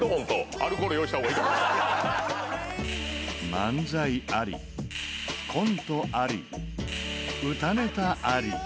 漫才あり、コントあり、歌ネタあり。